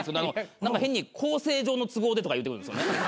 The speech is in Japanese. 何か変に「構成上の都合で」とか言うてくるんすよね。